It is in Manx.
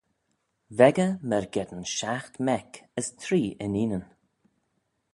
V'echey myrgeddin shiaght mec, as three inneenyn.